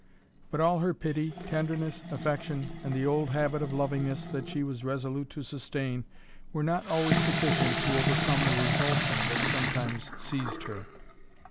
But all her pity, tenderness, affection, and the old habit of lovingness that she was resolute to sustain were not always sufficient to overcome the revulsion that sometimes seized her.